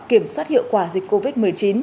kiểm soát hiệu quả dịch covid một mươi chín